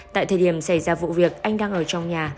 tại thời điểm xảy ra vụ việc anh đang ở trong nhà